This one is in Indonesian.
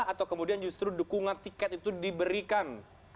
atau kemudian justru dukungan tiket itu diberikan